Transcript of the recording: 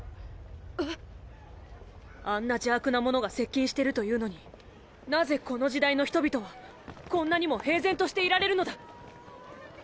あんな邪悪なものが接近してるというのに何故この時代の人々はこんなにも平然としていられるのだ！？